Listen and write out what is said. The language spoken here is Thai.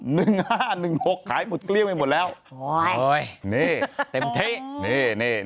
หนึ่งห้าหนึ่งหกขายหมดเกลี้ยงไปหมดแล้วโอ้ยนี่เต็มที่นี่นี่